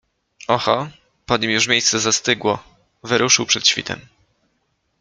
Oho, po nim już miejsce zastygło, wyruszył przed świtem.